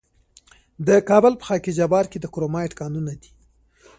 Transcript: د کابل په خاک جبار کې د کرومایټ کانونه دي.